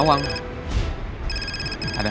sampai jumpa lagi